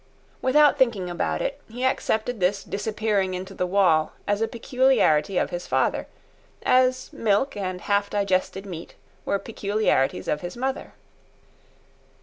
Without thinking about it, he accepted this disappearing into the wall as a peculiarity of his father, as milk and half digested meat were peculiarities of his mother.